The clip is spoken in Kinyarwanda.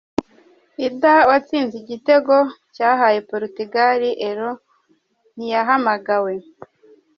Eder watsinze igitego cyahaye Portugal Euro ntiyahamagawe.